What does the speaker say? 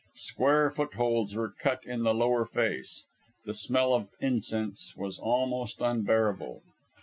Square foot holds were cut in the lower face. The smell of incense was almost unbearable.